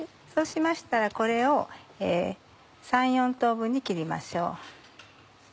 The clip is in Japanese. そうしましたらこれを３４等分に切りましょう。